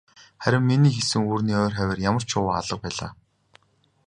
Харин миний хийсэн үүрний ойр хавиар ямарч шувуу алга байлаа.